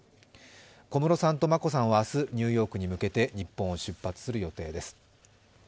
小室さんと眞子さんは明日ニューヨークに向けて日本を出発する予定です。